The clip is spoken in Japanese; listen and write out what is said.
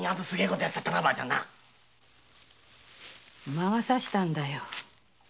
魔がさしたんだよ。